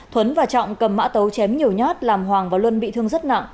thuấn và trọng cầm mã tấu chém nhiều nhát làm hoàng và luân bị thương rất nặng